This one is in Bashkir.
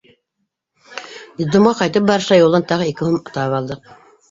Детдомға ҡайтып барышлай юлдан тағы ике һум табып алдыҡ.